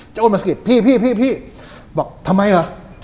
เจ้ามัสกิตพี่บอกทำไมหรอ